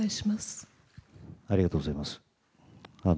ありがとうございます。